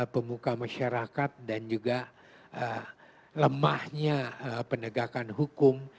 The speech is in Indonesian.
pemuka masyarakat dan juga lemahnya penegakan hukum